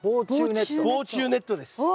防虫ネットです。